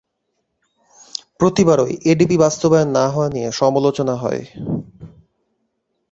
প্রতিবারই এডিপি বাস্তবায়ন না হওয়া নিয়ে সমালোচনা হয়।